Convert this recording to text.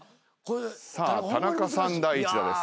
さあ田中さん第１打です。